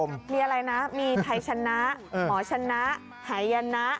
มีอะไรนะมีไทยชนะหมอชนะหายนะ